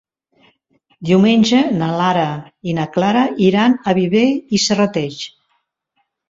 Diumenge na Lara i na Clara iran a Viver i Serrateix.